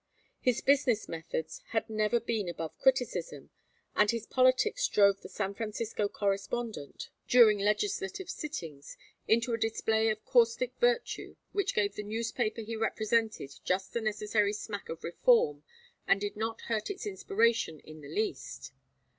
His business methods had never been above criticism, and his politics drove the San Francisco correspondent, during legislative sittings, into a display of caustic virtue which gave the newspaper he represented just the necessary smack of reform and did not hurt its inspiration in the least.